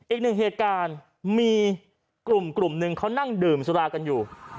อีกหนึ่งเหตุการณ์มีกลุ่มหนึ่งเขานั่งดื่มสุรากันอยู่